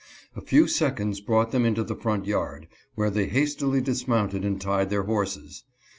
A few seconds brought them into the front yard, where they hastily dismounted and tied their horses.